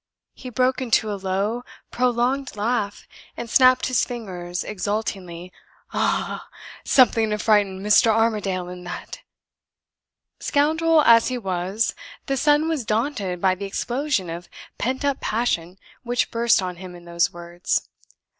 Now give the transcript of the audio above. He broke into a low, prolonged laugh, and snapped his fingers exultingly. "Aha ha ha! Something to frighten Mr. Armadale in that!" Scoundrel as he was, the son was daunted by the explosion of pent up passion which burst on him in those words.